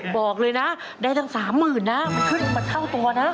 บอกเลยนะได้จากสามหมื่นนะขึ้นเท่าตัวนะ